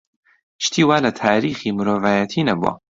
شتی وا لە تاریخی مرۆڤایەتی نەبووە.